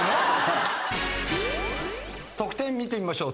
得点見てみましょう。